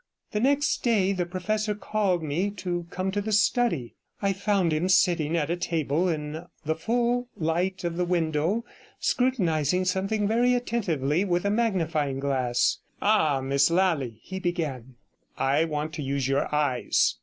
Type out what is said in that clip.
The next day the professor called me to come to the study. I found him sitting at a table in the full light of the window, scrutinizing something very attentively with a magnifying glass. 'Ah, Miss Lally,' he began, 'I want to use your eyes.